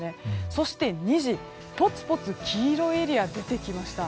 そして２時、ポツポツ黄色いエリアが出てきました。